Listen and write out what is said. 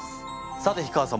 さて氷川様。